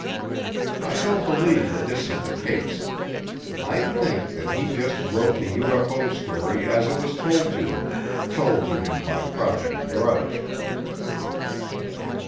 I don't believe that this is the case. I think that he just wrote the UFO story as it was told to him, told to him by Project Grudge.